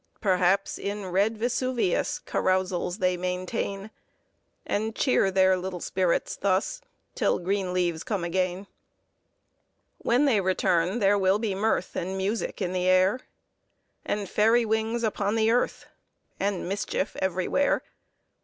Perhaps, in red Vesuvius Carousals they maintain ; And cheer their little spirits thus, Till green leaves come again. When they return, there will be mirth And music in the air, And fairy wings upon the earth, And mischief everywhere.